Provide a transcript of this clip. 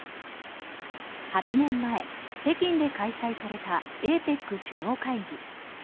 ８年前、北京で開催されたＡＰＥＣ首脳会議。